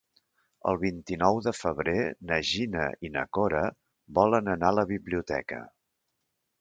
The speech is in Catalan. El vint-i-nou de febrer na Gina i na Cora volen anar a la biblioteca.